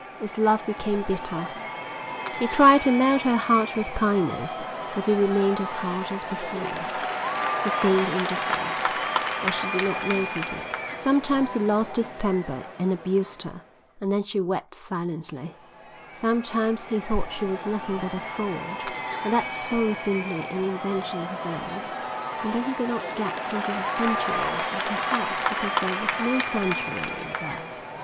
His love became bitter. He tried to melt her heart with kindness, but it remained as hard as before; he feigned indifference, but she did not notice it. Sometimes he lost his temper and abused her, and then she wept silently. Sometimes he thought she was nothing but a fraud, and that soul simply an invention of his own, and that he could not get into the sanctuary of her heart because there was no sanctuary there.